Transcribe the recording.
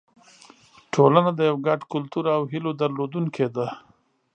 ټولنه د یو ګډ کلتور او هیلو درلودونکې ده.